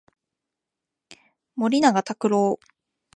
森永卓郎